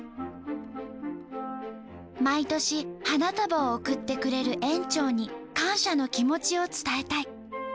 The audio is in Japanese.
「毎年花束を贈ってくれる園長に感謝の気持ちを伝えたい」。